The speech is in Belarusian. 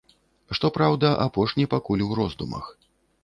Што праўда, апошні пакуль у роздумах.